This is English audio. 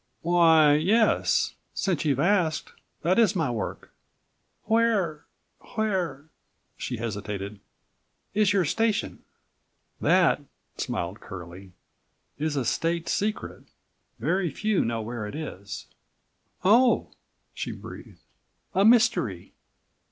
101 "Why, yes, since you've asked, that is my work." "Where—where—" she hesitated, "is your station?" "That," smiled Curlie, "is a state secret; very few know where it is." "Oh!" she breathed. "A mystery?"